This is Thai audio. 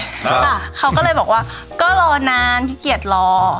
ค่ะเขาก็เลยบอกว่าก็รอนานขี้เกียจรอ